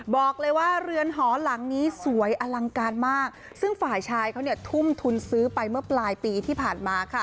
บอกเลยว่าเรือนหอหลังนี้สวยอลังการมากซึ่งฝ่ายชายเขาเนี่ยทุ่มทุนซื้อไปเมื่อปลายปีที่ผ่านมาค่ะ